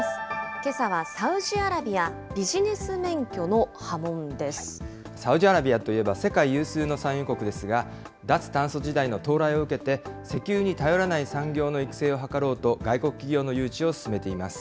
けさはサウジアラビア、ビジネスサウジアラビアといえば、世界有数の産油国ですが、脱炭素時代の到来を受けて、石油に頼らない産業の育成を図ろうと、外国企業の誘致を進めています。